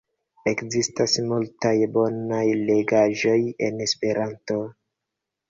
Ekzistas multaj bonaj legaĵoj en Esperanto.